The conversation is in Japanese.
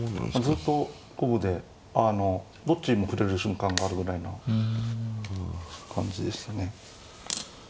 ずっと五分でどっちにも振れる瞬間があるぐらいな感じでしたね。